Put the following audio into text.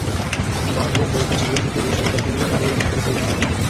বন্দারেভ বলেছেন, সিরিয়া থেকে রুশ হেলিকপ্টারগুলোও কার্গো বিমানে করে ফিরিয়ে নেওয়া হবে।